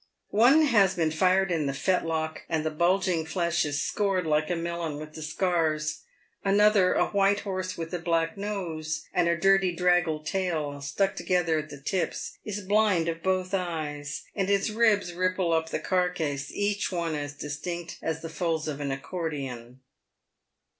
One has been fired in the fetlock, and the bulging flesh is scored like a melon with the scars. Another — a white horse with, a black nose and a dirty draggle tail, stuck together at the tips — is blind of both eyes, and his ribs ripple up the carcase, each one as distinct as the folds of an accordian.